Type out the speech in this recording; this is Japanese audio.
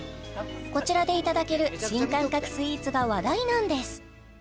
こちらでいただける新感覚スイーツが話題なんです